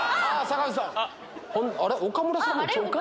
あれ⁉岡村さん。